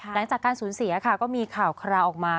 หลังจากการสูญเสียค่ะก็มีข่าวคราวออกมา